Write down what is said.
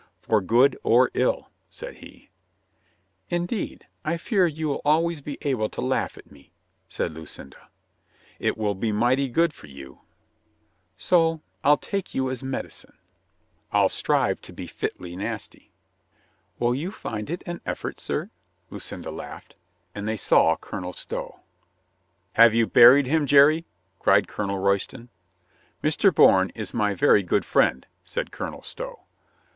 "For good or ill," said he. "Indeed, I fear you'll always be able to laugh at me," said Lucinda. "It will be mighty good for you." "So I'll take you as medicine." 122 COLONEL GREATHEART "I'll strive to be fitly nasty." "Will you find it an effort, sir?" Lucinda laughed. And they saw Colonel Stow. "Have you buried him, Jerry?" cried Colonel Royston. "Mr. Bourne is my very good friend," said Colonel Stow.